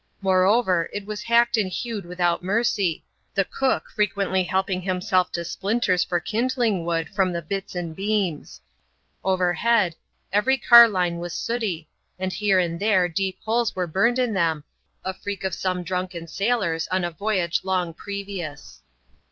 Moreover, it was hacked and hewed without mercy, the cook frequently helping himself to splinters for kindling wood from the bitts and beams. Over head, every carline was sooty, and here and there deep holes were burned in them, a freak of some drunken sailors on a voyage long previous.